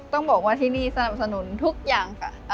ต้องบอกว่าที่นี่สนับสนุนทุกอย่างค่ะ